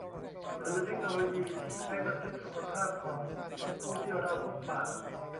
หรือเทคโนโลยีที่ใช้บันทึกสุขภาพของผู้ที่เราพบปะ